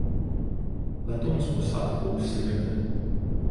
Letoun s posádkou Sgt.